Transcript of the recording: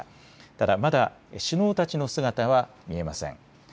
ただまだ首脳たちの姿は見えません。